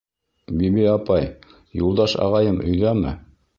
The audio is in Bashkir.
— Биби апай, Юлдаш ағайым өйҙәме?